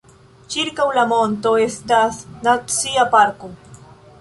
Ĉirkaŭ la monto estas nacia parko.